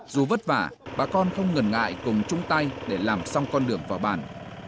dù vất vả bà con không ngần ngại cùng chung tay để làm xong con đường vào bản